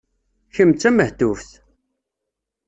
Kemm d tamehtuft!